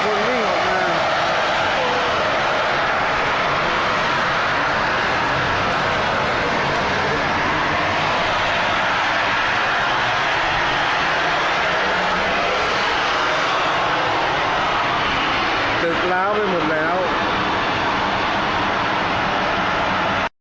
ทุกคนมิ่งออกมาไม่รู้เกิดอะไรขึ้นทุกคนมิ่งออกมา